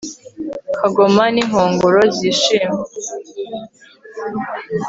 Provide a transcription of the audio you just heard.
kagoma n'inkongoro zishime